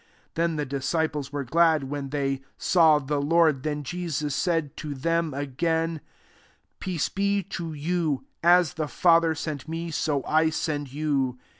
Then the disciples were glad, when they saw the Lprd. 21 Then Jesus said to them again, " Peace be to you : as the Fa ther sent me, so I send you."